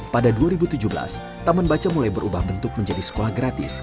pada dua ribu tujuh belas taman baca mulai berubah bentuk menjadi sekolah gratis